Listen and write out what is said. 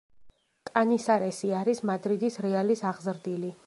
კანისარესი არის მადრიდის „რეალის“ აღზრდილი.